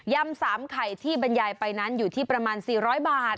๓ไข่ที่บรรยายไปนั้นอยู่ที่ประมาณ๔๐๐บาท